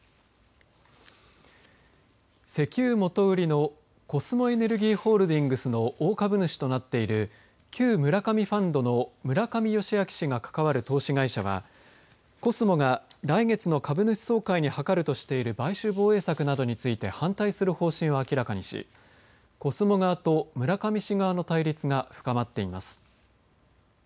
石油元売りのコスモエネルギーホールディングスの大株主となっている旧村上ファンドの村上世彰氏が関わる投資会社はコスモが来月の株主総会に諮るとしている買収防衛策などについて反対する方針を明らかにしコスモ側と村上氏側の対立が深まっています。